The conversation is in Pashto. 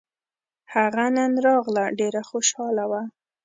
هغه نن راغله ډېره خوشحاله وه